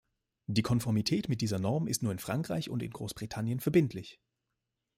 Die Konformität mit dieser Norm ist nur in Frankreich und in Großbritannien verbindlich.